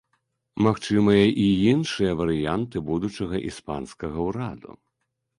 Магчымыя і іншыя варыянты будучага іспанскага ўраду.